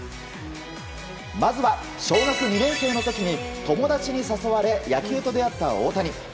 まずは、小学２年生の時に友達に誘われ野球と出会った大谷。